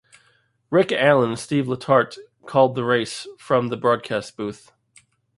Rick Allen and Steve Letarte called the race from the broadcast booth.